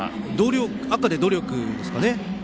赤で「努力」でしょうかね。